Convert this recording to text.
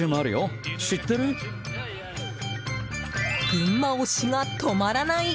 群馬推しが止まらない！